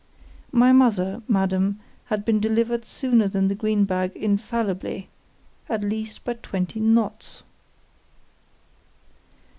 My mother, Madam, had been delivered sooner than the green bag infallibly——at least by twenty _knots.